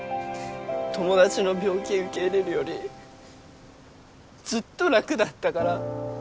友達の病気受け入れるよりずっと楽だったから。